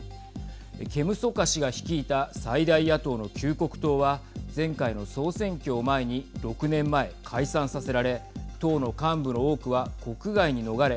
ケム・ソカ氏が率いた最大野党の救国党は前回の総選挙を前に６年前解散させられ党の幹部の多くは国外に逃れ